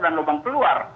dan lubang keluar